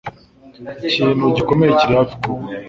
Ikintu gikomeye kiri hafi kuba.